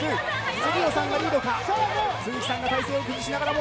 杉野さんがリードか。